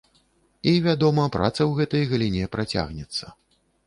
І, вядома, праца ў гэтай галіне працягнецца.